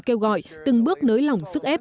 kêu gọi từng bước nới lỏng sức ép